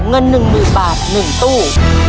เงิน๑๐๐๐บาท๑ตู้